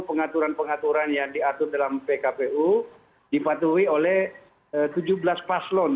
pengaturan pengaturan yang diatur dalam pkpu dipatuhi oleh tujuh belas paslon